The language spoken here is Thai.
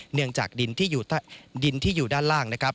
เนื่องจากดินที่อยู่ด้านล่าง